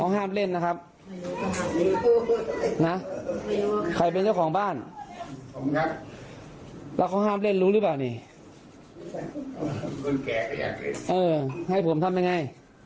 ใครเป็นเจ้าของบ้านคุณแกก็อยากเล่นเออให้ผมทำยังไง